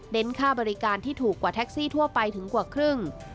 ค่าบริการที่ถูกกว่าแท็กซี่ทั่วไปถึงกว่าครึ่ง